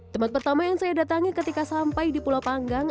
tempat pertama yang saya datangi ketika sampai di pulau panggang